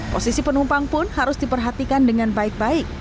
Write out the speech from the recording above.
posisi penumpang pun harus diperhatikan dengan baik baik